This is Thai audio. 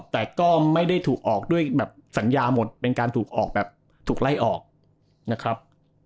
แต่ก็ไม่ได้ถูกออกด้วยแบบสัญญาหมดเป็นการถูกออกแบบถูกไล่ออกนะครับ